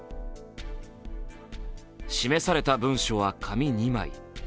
示された文書は紙２枚。